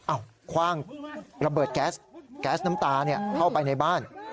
คว่างระเบิดแก๊สแก๊สน้ำตาเข้าไปในบ้าน